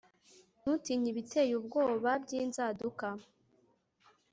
Ntutinye ibiteye ubwoba byinzaduka